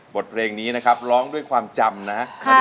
บทเพลงนี้นะครับร้องด้วยความจำนะครับ